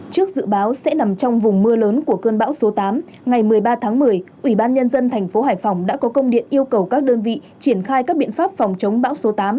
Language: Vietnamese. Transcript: trước dự báo sẽ nằm trong vùng mưa lớn của cơn bão số tám ngày một mươi ba tháng một mươi ủy ban nhân dân thành phố hải phòng đã có công điện yêu cầu các đơn vị triển khai các biện pháp phòng chống bão số tám